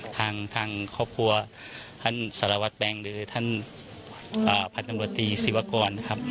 ทางครอบครัวท่านสารวัตน์แบงค์หรือท่านพันธมดิสิวากรนะครับ